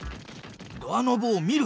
ドアノブを見る。